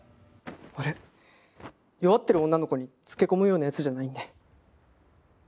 俺弱ってる女の子につけ込むような奴じゃないんで。